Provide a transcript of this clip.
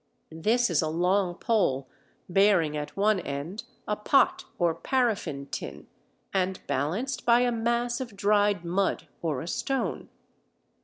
This is a long pole bearing at one end a pot or paraffin tin and balanced by a mass of dried mud or a stone.